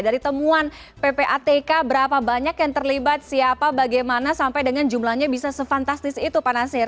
dari temuan ppatk berapa banyak yang terlibat siapa bagaimana sampai dengan jumlahnya bisa se fantastis itu pak nasir